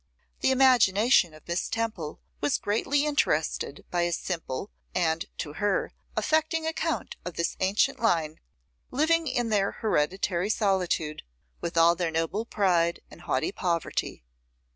The imagination of Miss Temple was greatly interested by his simple, and, to her, affecting account of this ancient line living in their hereditary solitude, with all their noble pride and haughty poverty.